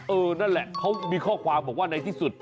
นั่นแหละเขามีข้อความบอกว่าในที่สุด